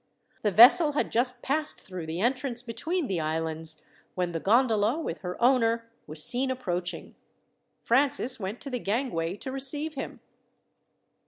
The vessel had just passed through the entrance between the islands, when the gondola, with her owner, was seen approaching. Francis went to the gangway to receive him.